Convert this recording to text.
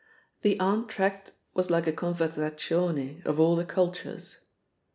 The entr'acte was like a conversazione of all the cultures.